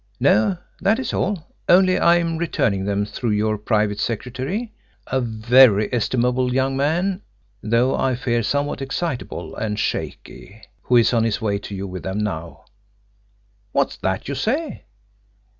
... No, that is all, only I am returning them through your private secretary, a very estimable young man, though I fear somewhat excitable and shaky, who is on his way to you with them now. ... WHAT'S THAT YOU SAY?